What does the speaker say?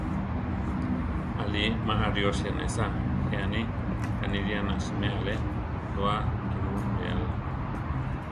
Aʼlí, ma ariósi anésa, jé aní: kanilía na siméa Ale tóa Kimu nuléala.